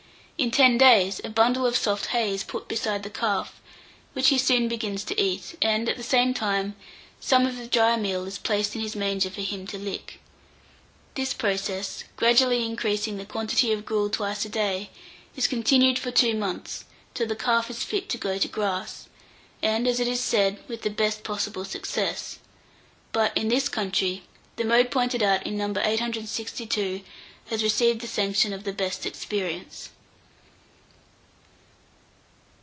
In ten days, a bundle of soft hay is put beside the calf, which he soon begins to eat, and, at the same time, some of the dry meal is placed in his manger for him to lick. This process, gradually increasing the quantity of gruel twice a day, is continued for two months, till the calf is fit to go to grass, and, as it is said, with the best possible success. But, in this country, the mode pointed out in No. 862 has received the sanction of the best experience.